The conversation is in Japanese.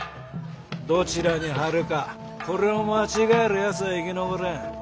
どちらに張るかこれを間違えるやつは生き残れん。